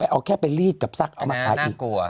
เอาแค่ไปรีดกับซักเอามาขายอีกกลัว